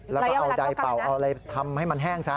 แล้วก็เอาใดเป่าเอาอะไรทำให้มันแห้งซะ